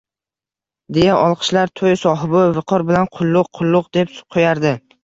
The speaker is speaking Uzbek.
Deya olqishlar, to`y sohibi viqor bilan Qulluq, qulluq deb qo`yardi